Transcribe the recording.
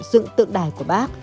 dựng tượng đài của bác